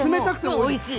おいしい。